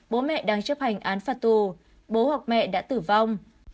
bố mẹ đang chấp hành án phạt tù bố hoặc mẹ đã tử vong